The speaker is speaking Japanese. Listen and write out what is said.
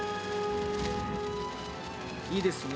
いいですね。